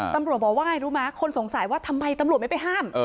ตำรวจบอกว่าไงรู้ไหมคนสงสัยว่าทำไมตำรวจไม่ไปห้าม